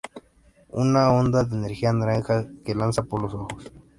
Una onda de energía naranja que lanza por los ojos.